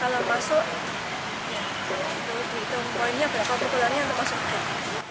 kalau masuk itu poinnya berapa kukulannya untuk masuk ke